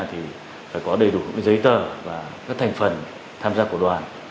thì phải có đầy đủ những giấy tờ và các thành phần tham gia của đoàn